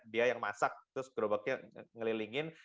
dia yang masak terus gerobaknya ngelilingin